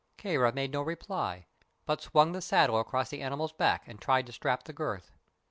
Kāra made no reply, but swung the saddle across the animal's back and tried to strap the girth.